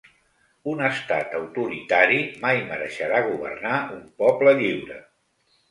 Un estat autoritari mai mereixerà governar un poble lliure.